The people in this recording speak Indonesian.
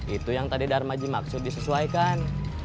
itu yang tadi darmaji maksud disesuaikan